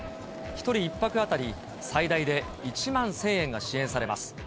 １人１泊当たり最大で１万１０００円が支援されます。